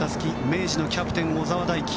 明治のキャプテン、小澤大輝。